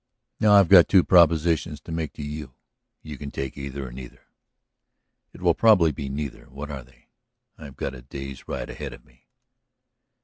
Now I've got two propositions to make you; you can take either or neither." "It will probably be neither; what are they? I've got a day's ride ahead of me."